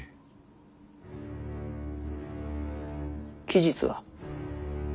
期日は。